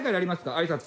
あいさつ。